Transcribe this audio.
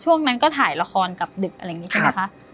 ช่วงนั้นก็ถ่ายละครกับดึกอะไรอย่างนี้ใช่ไหมคะ